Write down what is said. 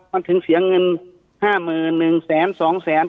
มันถึงเสียเงิน๕หมื่น๑แสน๒แสน